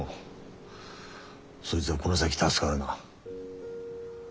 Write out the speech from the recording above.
そいづはこの先助かるな。